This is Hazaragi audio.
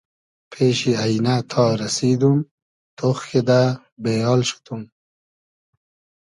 پېشی اݷنۂ تا رئسیدوم ، تۉخ کیدۂ بې آل شودوم